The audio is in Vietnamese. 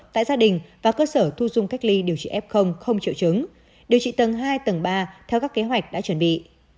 tại gia đình và cơ sở thu dung cách ly điều trị f không triệu chứng điều trị tầng hai tầng ba theo các kế hoạch đã chuẩn bị